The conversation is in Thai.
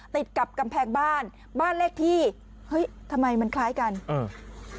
ติดกับกำแพงบ้านบ้านเลขที่เฮ้ยทำไมมันคล้ายกันอืม